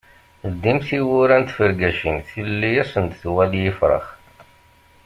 Ldim tiwwura n tfergacin, tilelli ad asen-d-tuɣal i yifrax.